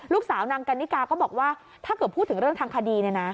ลูกสาวนางกันนิกาก็บอกว่าถ้าเกิดพูดถึงเรื่องทางคดี